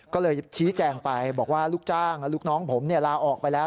ก็เลยชี้แจงไปบอกว่าลูกจ้างและลูกน้องผมลาออกไปแล้ว